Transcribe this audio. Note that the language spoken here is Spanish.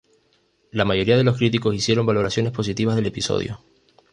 La mayoría de los críticos hicieron valoraciones positivas del episodio.